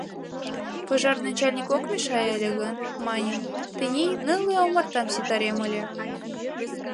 — Пожар начальник ок мешае ыле гын, маньым, тений нылле омартам ситарем ыле.